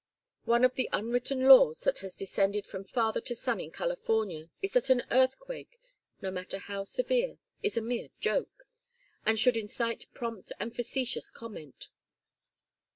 One of the unwritten laws that has descended from father to son in California is that an earthquake, no matter how severe, is a mere joke, and should incite prompt and facetious comment.